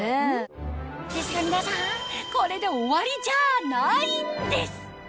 ですが皆さんこれで終わりじゃないんです